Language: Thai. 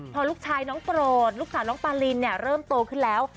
พอลูกชายน้องโปรดลูกสาวน้องปาลินเริ่มโตขึ้นแล้ว